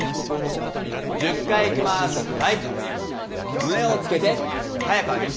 胸をつけて、速く上げる。